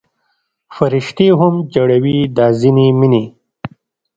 فرشتې هم ژړوي دا ځینې مینې